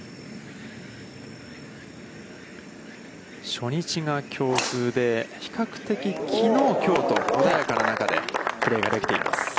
初日が強風で、比較的きのう、きょうと、穏やかな中でプレーができています。